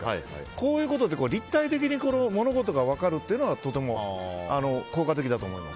こういことって立体的に物事が分かるというのはとても効果的だと思います。